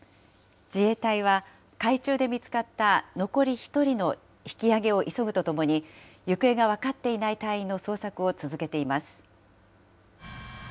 自衛隊は、海中で見つかった残り１人の引きあげを急ぐとともに、行方が分かっていない隊員の捜索を続けています。